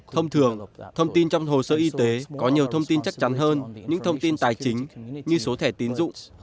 thông thường thông tin trong hồ sơ y tế có nhiều thông tin chắc chắn hơn những thông tin tài chính như số thẻ tín dụng